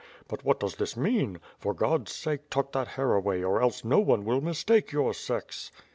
But what does this mean? For God's sake tuck that hair away or else no one will mistake your sex."